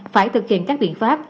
phải thực hiện các biện pháp